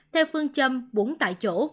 theo phương châm bốn tại chỗ